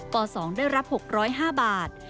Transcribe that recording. ป๒ได้รับ๖๐๕บาท